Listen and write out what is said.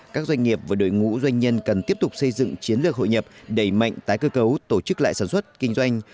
các doanh nghiệp và đội ngũ doanh nhân cần tiếp tục xây dựng chiến lược hội nhập đẩy mạnh tái cơ cấu tổ chức lại sản xuất kinh doanh